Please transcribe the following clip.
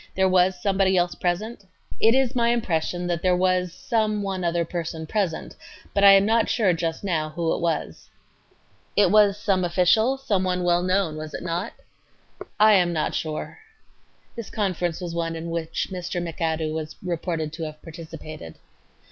There was somebody else present? A. It is my impression that there was some one other person present, but I am not sure just now who it was. Q. It was some official, some one well known, was it not ....? A. I am not sure. ... [This conference was one in which Mr. McAdoo was reported to have participated.